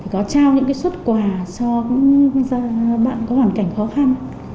có trao những xuất quà cho các bạn có hoàn cảnh khó khăn